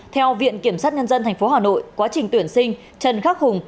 theo viện kiểm sát nhân dân tp hà nội quá trình tuyển sinh trần khắc hùng